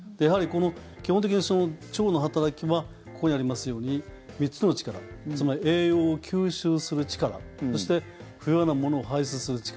基本的に腸の働きはここにありますように３つの力つまり栄養を吸収する力そして不要なものを排出する力